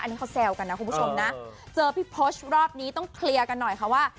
อันนี้เขาแซวกันนะคุณผู้ชมนะเจอพี่โพชรอบนี้ต้องเคลียร์กันหน่อยค่ะว่า